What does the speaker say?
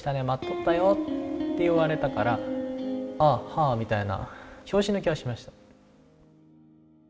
待っとったよって言われたからああはあみたいな拍子抜けはしました。